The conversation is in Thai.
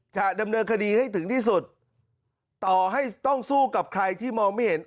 จะดำเนินคดีให้ถึงที่สุดต่อให้ต้องสู้กับใครที่มองไม่เห็น